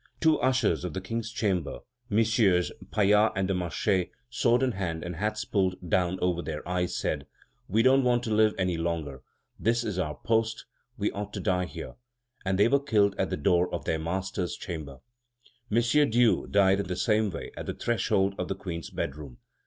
Two ushers of the King's chamber, MM. Pallas and de Marchais, sword in hand, and hats pulled down over their eyes, said: "We don't want to live any longer; this is our post; we ought to die here!" and they were killed at the door of their master's chamber. M. Dieu died in the same way on the threshold of the Queen's bedroom.